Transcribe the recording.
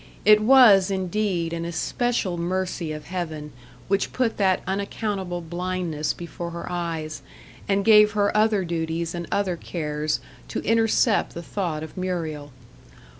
It was, indeed, an especial mercy of heaven which put that unaccountable blindness before her eyes, and gave her other duties and other cares to intercept the thought of Muriel.